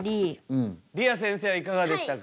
りあせんせいはいかがでしたか？